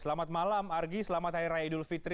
selamat malam argy selamat hari raya idul fitri